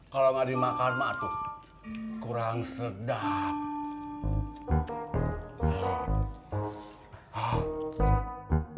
kalau nggak dimakan matuh kurang sedap